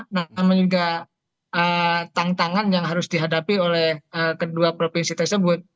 namun juga tantangan yang harus dihadapi oleh kedua provinsi tersebut